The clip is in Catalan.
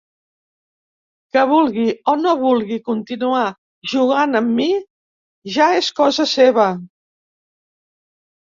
Que vulgui o no vulgui continuar jugant amb mi ja és cosa seva.